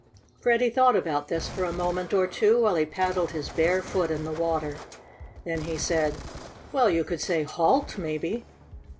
Freddie thought about this for a moment or two while he paddled his bare foot in the water. Then he said: "Well, you could say 'Halt!' maybe."